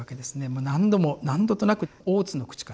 もう何度も何度となく大津の口から。